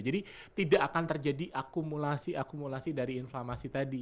tidak akan terjadi akumulasi akumulasi dari inflamasi tadi